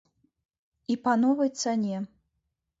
І па новай цане.